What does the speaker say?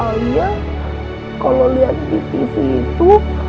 soalnya kalau liat di tv itu